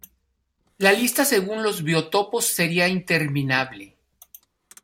La lista según los biotopos sería interminable.